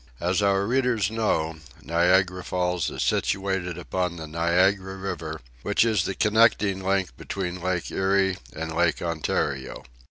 As our readers know, Niagara Falls is situated upon the Niagara River, which is the connecting link between Lake Erie and Lake Ontario.